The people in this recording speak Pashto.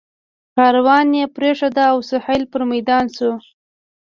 کاروان یې پرېښود او سهیل پر میدان شو.